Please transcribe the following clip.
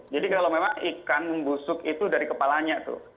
jadi kalau memang ikan membusuk itu dari kepalanya tuh